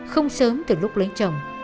không sớm từ lúc lấy chồng